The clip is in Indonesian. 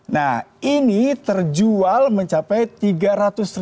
nah ini terjual mencapai tiga juta rupiah